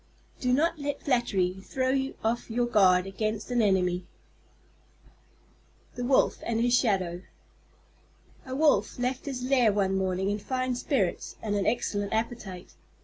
_ Do not let flattery throw you off your guard against an enemy. THE WOLF AND HIS SHADOW A Wolf left his lair one evening in fine spirits and an excellent appetite.